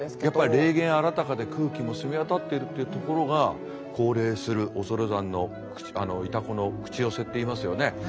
やっぱり霊験あらたかで空気も澄み渡っているというところが降霊する恐山のイタコの口寄せっていいますよね。